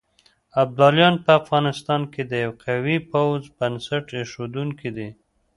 ابداليان په افغانستان کې د يوه قوي پوځ بنسټ اېښودونکي دي.